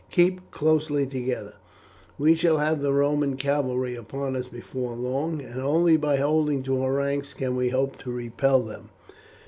Keep closely together, we shall have the Roman cavalry upon us before long, and only by holding to our ranks can we hope to repel them."